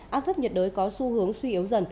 áp thấp nhiệt đới có xu hướng suy yếu